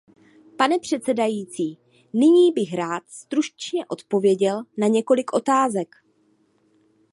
Pane předsedající, nyní bych rád stručně odpověděl na několik otázek.